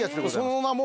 その名も。